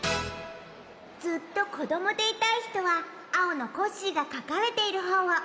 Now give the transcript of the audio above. ずっとこどもでいたいひとはあおのコッシーがかかれているほうを。